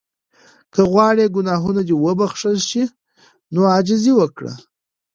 که غواړې ګناهونه دې وبخښل شي نو عاجزي وکړه.